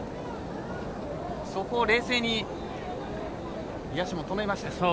そこを冷静に野手も止めました。